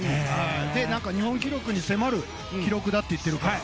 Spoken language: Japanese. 日本記録に迫る記録だと言ってるから。